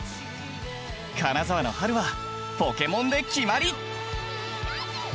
金沢の春はポケモンで決まり！